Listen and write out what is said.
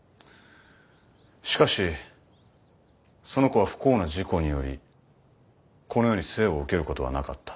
しかしその子は不幸な事故によりこの世に生を受けることはなかった。